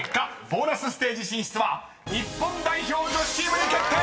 ボーナスステージ進出は日本代表女子チームに決定！］